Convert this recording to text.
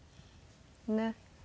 ねっ？